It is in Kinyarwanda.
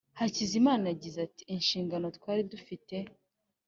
Hakizimana yagize ati Inshingano twari dufite